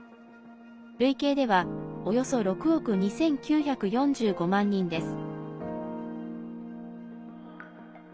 累計ではおよそ６億２９４５万人です。